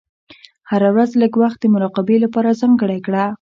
هره ورځ لږ وخت د مراقبې لپاره ځانګړی کړه.